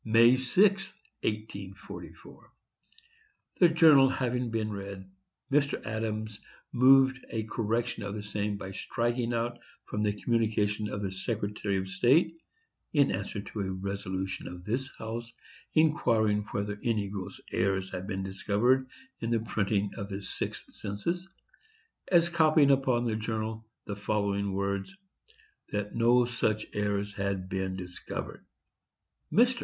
May 6, 1844.—The journal having been read, Mr. Adams moved a correction of the same by striking out from the communication of the Secretary of State (in answer to a resolution of this House inquiring whether any gross errors had been discovered in the printing of the Sixth Census), as copied upon the journal, the following words: "That no such errors had been discovered." Mr.